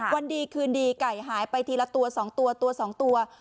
วันดีคืนดีไก่หายไปทีละตัว๒ตัวตัว๒ตัว